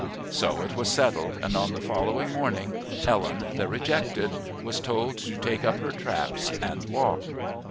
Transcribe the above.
So it was settled, and on the following morning Ellen, the rejected, was told to take up her traps and walk.